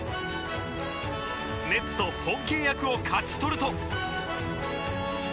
ネッツと本契約を勝ち取ると。